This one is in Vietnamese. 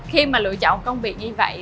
khi mà lựa chọn công việc như vậy